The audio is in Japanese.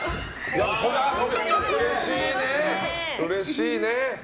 うれしいね。